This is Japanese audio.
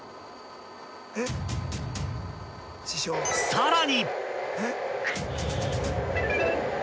［さらに］